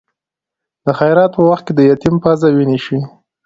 د خیرات په وخت کې د یتیم پزه وینې شي.